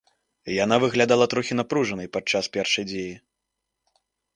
Яна выглядала трохі напружанай падчас першай дзеі.